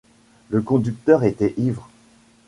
Le conducteur était ivre.